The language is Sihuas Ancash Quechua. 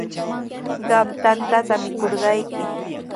Qam tantata mikurqayki.